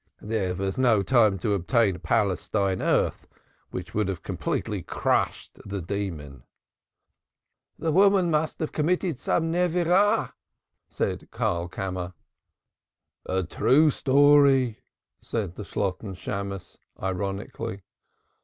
There was no time to obtain Palestine earth, which would have completely crushed the demon." "The woman must have committed some Avirah" said Karlkammer. "A true story!" said the Shalotten Shammos, ironically.